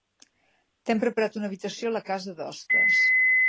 T'hem preparat una habitació a la casa d'hostes.